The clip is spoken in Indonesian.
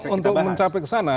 untuk mencapai kesana